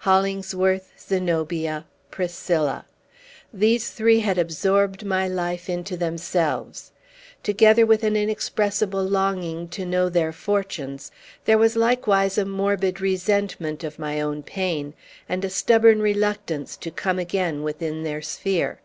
Hollingsworth, Zenobia, Priscilla! These three had absorbed my life into themselves. Together with an inexpressible longing to know their fortunes, there was likewise a morbid resentment of my own pain, and a stubborn reluctance to come again within their sphere.